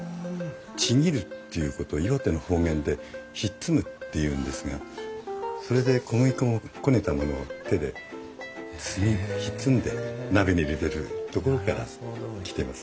ちぎるっていうことを岩手の方言でひっつむっていうんですがそれで小麦粉をこねたものを手でひっつんで鍋に入れてるところから来てます。